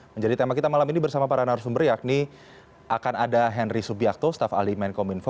menjadi tema kita malam ini bersama para narasumber yakni akan ada henry subiakto staff ali menkominfo